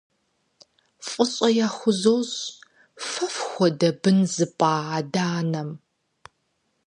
ФӀыщӀэ яхузощӏ фэ фхуэдэ бын зыпӏа адэ-анэм!